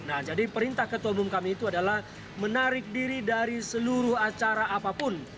nah jadi perintah ketua umum kami itu adalah menarik diri dari seluruh acara apapun